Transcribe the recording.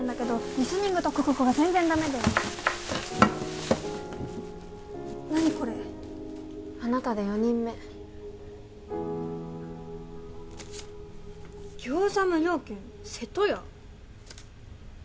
リスニングと国語が全然ダメで何これあなたで４人目「餃子無料券瀬戸屋」